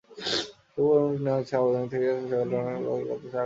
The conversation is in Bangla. তপু বর্মনকে নেওয়া হয়েছে আবাহনী থেকে, সোহেল রানারও খেলার কথা আকাশি নীলে।